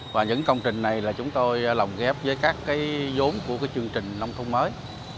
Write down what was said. và những công trình này là chúng tôi lồng ghép với các cái giống của chương trình nông thôn mới